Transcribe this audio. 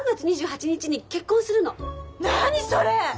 何それ！